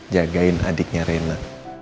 jagain adiknya rena